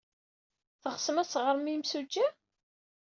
Teɣsem ad teɣrem i yimsujji?